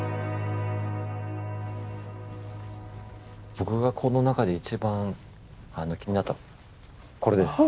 僕がこの中で一番気になったのはこれです。